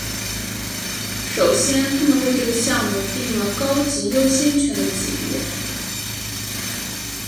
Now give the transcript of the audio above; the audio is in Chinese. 首先他们为这个项目订了高级优先权的级别。